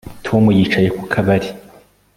Tom yicaye ku kabari